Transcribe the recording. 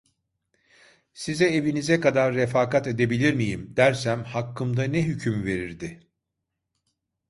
"Size evinize kadar refakat edebilir miyim?" dersem hakkımda ne hüküm verirdi?